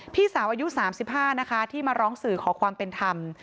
พี่สาวอายุ๓๕นะคะที่มาร้องสื่อขอความเป็นธรรม